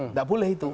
enggak boleh itu